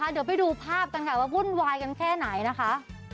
เดี๋ยวไปดูภาพกันค่ะว่าวุ่นวายกันแค่ไหนนะคะ